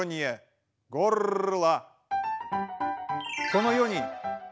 このように。